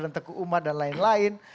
dan teguh umar dan lain lain